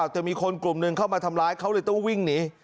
มีคนเจ็บหรือเปล่าแต่มีคนกลุ่มหนึ่งเข้ามาทำร้ายเขาเลยต้องวิ่งหนี